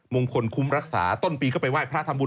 มงคลคุ้มรักษาต้นปีก็ไปว่ายพระธรรมบุญ